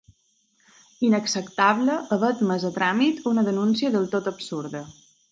Inacceptable haver admés a tràmit una denúncia del tot absurda.